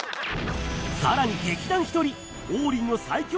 さらに劇団ひとり王林の最強